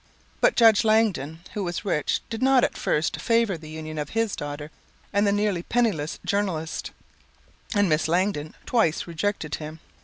But Judge Langdon, who was rich, did not at first favor the union of his daughter and the nearly penniless journalist, and Miss Langdon twice rejected him.